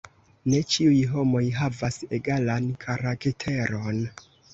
Ne ĉiuj homoj havas egalan karakteron!